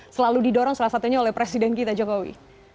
selalu didorong salah satunya oleh presiden kita jokowi